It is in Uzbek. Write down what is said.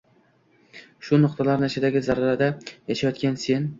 Shu nuqtalarni ichidagi zarrada yashayotgan sen!